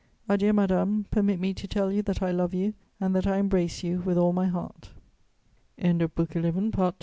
"Adieu, madame, permit me to tell you that I love you and that I embrace you with all my heart." Now that M